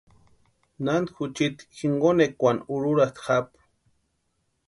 Naanti juchiti jinkonekwani úrhurasti japu.